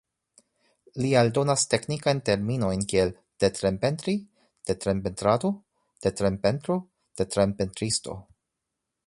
Li aldonas teknikajn terminojn kiel detrem-pentri, detrem-pentrado, detrem-pentro, detrem-pentristo.